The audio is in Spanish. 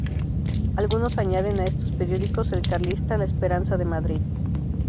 Algunos añaden a estos periódicos el carlista "La Esperanza" de Madrid.